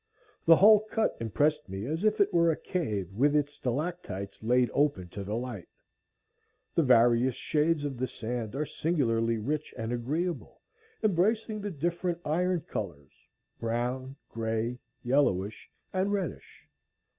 The whole cut impressed me as if it were a cave with its stalactites laid open to the light. The various shades of the sand are singularly rich and agreeable, embracing the different iron colors, brown, gray, yellowish, and reddish.